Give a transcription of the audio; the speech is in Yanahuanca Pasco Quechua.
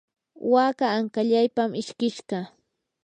waka ankallaypam ishkishqa.